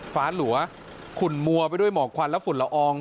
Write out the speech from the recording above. ฟ้าหลัวขุนมัวไปด้วยหมอกควันและฝุ่นละออง